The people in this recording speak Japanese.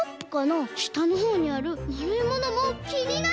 したのほうにあるまるいものもきになる！